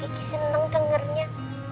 kiki seneng dengernya